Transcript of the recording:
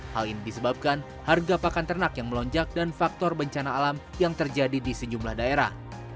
hal ini disebabkan harga pakan ternak yang melonjak dan faktor bencana alam yang terjadi di sejumlah daerah